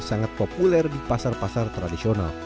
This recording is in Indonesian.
sangat populer di pasar pasar tradisional